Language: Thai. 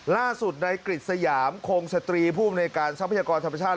ล่าสุดในกฤษยามโครงสตรีผู้บริการช่องพัฒนากรธรรมชาติ